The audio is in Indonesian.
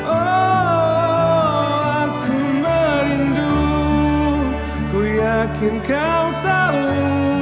aku merindu ku yakin kau tahu